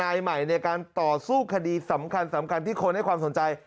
นายใหม่ในการต่อสู้คดีสำคัญสำคัญที่คนให้ความสนใจ